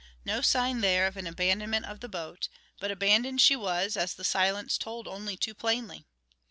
No sign there of an abandonment of the boat, but abandoned she was, as the silence told only too plainly.